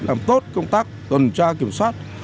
làm tốt công tác tuần tra kiểm soát